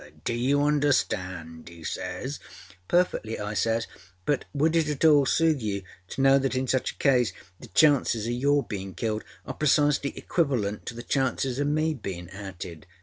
Do you understand?â he says. âPerfectly,â I says, âbut would it at all soothe you to know that in such a case the chances oâ your being killed are precisely equivalent to the chances oâ me being outed.